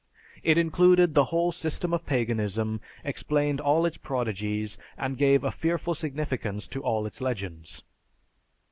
It included the whole system of paganism, explained all its prodigies, and gave a fearful significance to all its legends.